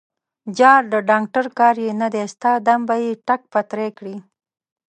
_جار، د ډانګټر کار يې نه دی، ستا دم به يې ټک پتری کړي.